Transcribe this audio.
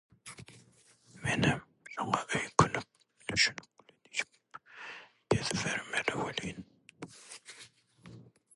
Menem şoňa öýkünip «düşnükli» diýip gezibermeli welin.